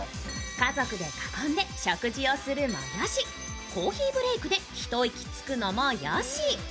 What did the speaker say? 家族で囲んで食事をするもよしコーヒーブレイクで一息つくのもよし。